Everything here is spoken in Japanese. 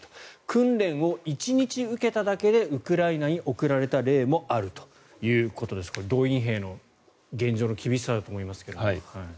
訓練を１日受けただけでウクライナに送られた例もあるということですがこれ、動員兵の現状の厳しさだと思いますが。